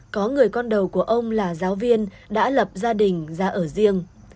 có người con đầu của ông là giáo viên đã lập gia đình ra ở riêng